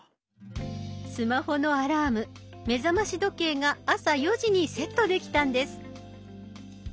スマホのアラーム目覚まし時計が朝４時にセットできたんです。